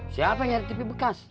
siapa yang nyari tipi bekas